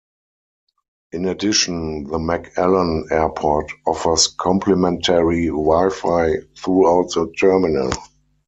In addition, the McAllen Airport offers complimentary Wi-Fi throughout the terminal.